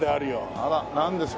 あらなんですか？